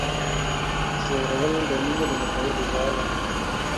ځورول د میني لومړنۍ غذا ده.